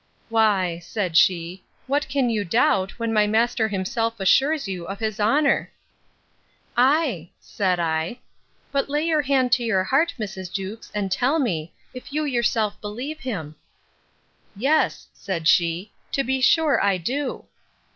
Why, said she, what can you doubt, when my master himself assures you of his honour? Ay, said I; but lay your hand to your heart, Mrs. Jewkes, and tell me, if you yourself believe him. Yes, said she, to be sure I do.